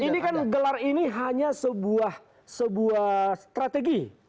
ini kan gelar ini hanya sebuah strategi